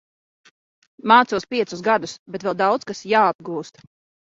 Mācos piecus gadus, bet vēl daudz kas jāapgūst.